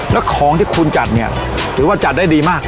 แล้วของที่คุณจัดเนี่ยถือว่าจัดได้ดีมาก